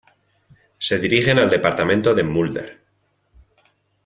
Se dirigen al departamento de Mulder.